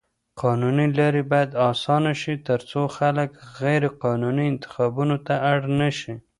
قانوني لارې بايد اسانه شي تر څو خلک غيرقانوني انتخابونو ته اړ نه شي.